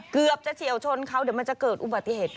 เกือบจะเฉียวชนเขาเดี๋ยวมันจะเกิดอุบัติเหตุ